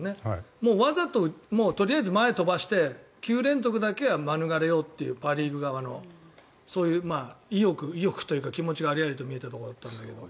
わざと、とりあえず前に飛ばして９連続だけは免れようというパ・リーグ側のそういう意欲というか気持ちがありありと見えたところだったんだけど。